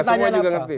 semua juga nggak ngerti